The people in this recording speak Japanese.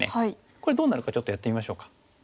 これどうなるかちょっとやってみましょうか。